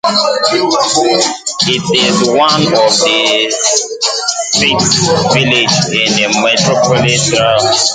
It is one of the six villages in the municipality of Roerdalen.